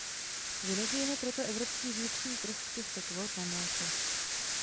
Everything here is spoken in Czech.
Vynechejme proto evropský vnitřní trh z těchto kvót na mléko.